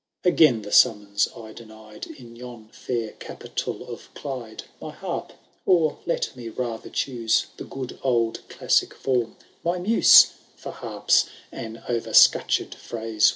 V. Again the summons T denied In yon fair capital of Clyde : My Harp or let me rather choose ^ The good old classic form— my Muse, (For Harp's an over scutched phrase.